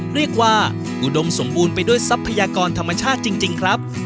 อุดมสมบูรณ์ไปด้วยทรัพยากรธรรมชาติจริงครับ